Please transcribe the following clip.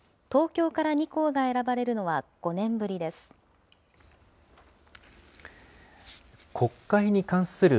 東京から２校が選ばれるのは５年ぶりです。